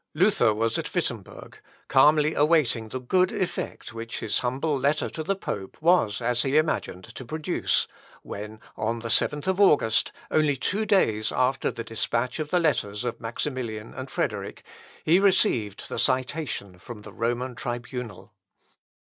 Luther was at Wittemberg, calmly awaiting the good effect which his humble letter to the pope was, as he imagined, to produce, when, on the 7th of August, only two days after the despatch of the letters of Maximilian and Frederick, he received the citation from the Roman tribunal.